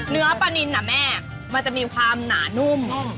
เนื้อปลานินแม่มันจะมีความหนานุ่ม